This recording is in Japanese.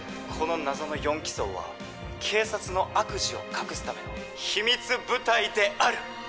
この謎の４機捜は警察の悪事を隠すための秘密部隊である！